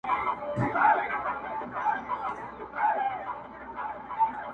زموږ وطن كي د دښـــــمــــن لاســـــونــه_